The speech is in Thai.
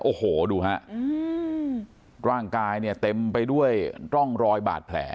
โอ้โหดูฮะร่างกายเนี่ยเต็มไปด้วยร่องรอยบาดแผล